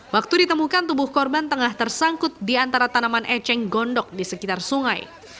waktu ditemukan tubuh korban tengah tersangkut di antara tanaman eceng gondok di sekitar sungai